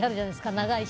長いし。